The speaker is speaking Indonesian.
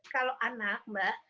kalau anak mbak